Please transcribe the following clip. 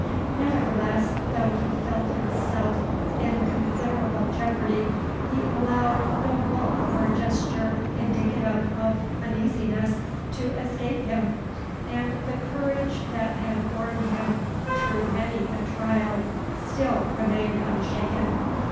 Nevertheless, though he felt himself in considerable jeopardy, he allowed no look or gesture indicative of uneasiness to escape him; and the courage that had borne him through many a trial still remained unshaken.